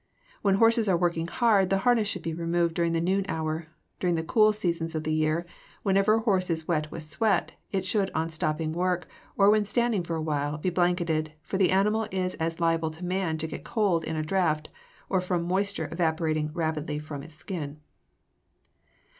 When horses are working hard, the harness should be removed during the noon hour. During the cool seasons of the year, whenever a horse is wet with sweat, it should on stopping work, or when standing for awhile, be blanketed, for the animal is as liable as man to get cold in a draft or from moisture evaporating rapidly from its skin.